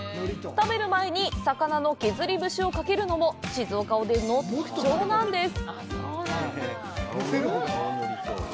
食べる前に魚の削り節をかけるのも静岡おでんの特徴なんです。